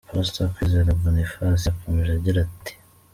Pastor Kwizera Boniface yakomeje agira ati: .